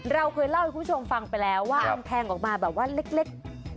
เราเคยเล่าให้คุณผู้ชมฟังไปแล้วว่ามันแทงออกมาแบบว่าเล็ก